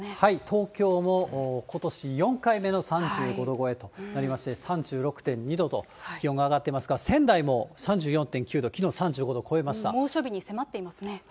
東京もことし４回目の３５度超えとなりまして、３６．２度と、気温が上がっていますから、仙台も３４．９度、猛暑日に迫っていますね。